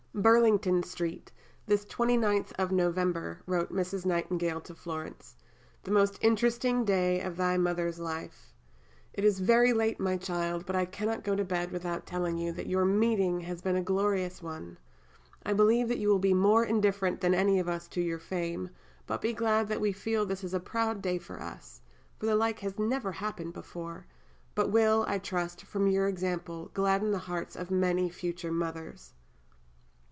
"Burlington St., this 29th of November," wrote Mrs. Nightingale to Florence, "the most interesting day of thy mother's life. It is very late, my child, but I cannot go to bed without telling you that your meeting has been a glorious one. I believe that you will be more indifferent than any of us to your fame, but be glad that we feel this is a proud day for us; for the like has never happened before, but will, I trust, from your example, gladden the hearts of many future mothers.